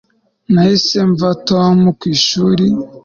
nahise mva tom ku ishuri